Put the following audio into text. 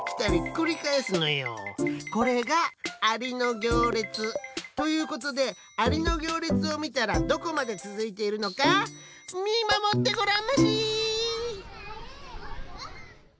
これが「アリのぎょうれつ」。ということでアリのぎょうれつをみたらどこまでつづいているのかみまもってごらんまし！